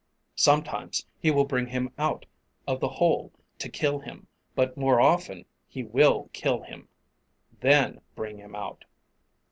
Sometimes he will bring him out of the hole to kill him, but more often he will kill him, then bring him out.